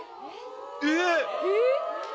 えっ！